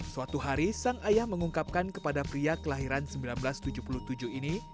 suatu hari sang ayah mengungkapkan kepada pria kelahiran seribu sembilan ratus tujuh puluh tujuh ini